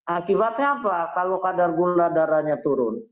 akibatnya apa kalau kadar gula darahnya turun